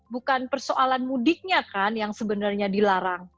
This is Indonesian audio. bukan persoalan mudiknya kan yang sebenarnya dilarang